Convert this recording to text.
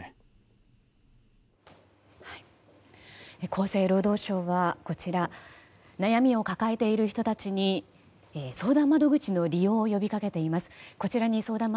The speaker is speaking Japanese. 厚生労働省は悩みを抱えている人たちに相談窓口の利用を呼びかけています。